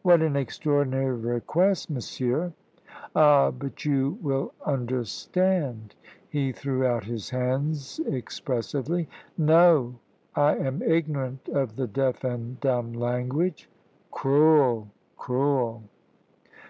"What an extraordinary request, monsieur!" "Ah, but you will understand " He threw out his hands expressively. "No; I am ignorant of the deaf and dumb language." "Cruel cruel."